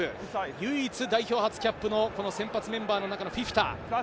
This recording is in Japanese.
唯一、代表初キャップの先発メンバーの中のフィフィタ。